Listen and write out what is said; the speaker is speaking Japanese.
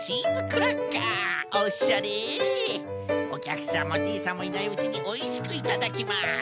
おきゃくさんもジェイさんもいないうちにおいしくいただきます！